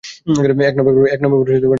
এক নম্বর ড্রাইভার তো মুসলমান।